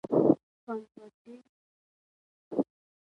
خانزادګۍ زياتوي